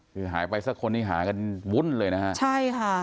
คือหายไปสักคนนี้หากันวุ่นเลยนะฮะใช่ค่ะ